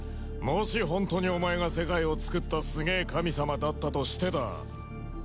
もし本当にお前が世界をつくったすげえ神様だったとしてだ。